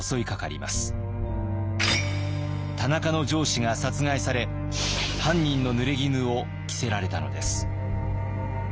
田中の上司が殺害され犯人のぬれぎぬを着せられたのです。